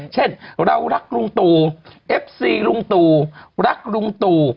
เช่นเรารักลุงตู่เอฟซีลุงตู่รักลุงตู่